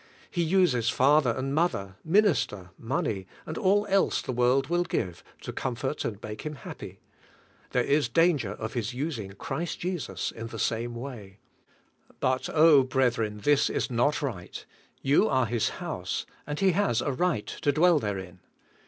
He uses father and mother, minister, money, and all else the world will give, to comfort and make him happy; there is danger of his using Christ THE CO Mr LET E SURRENDER 10.') Jesus in the same way. But oh, brethren, this is not right. You are His house, and He has a right to dwell therein.